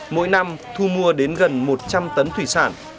mỗi năm thu mua đến gần một trăm linh tấn thủy sản